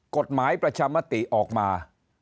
กฎหมายประชามาติออกมา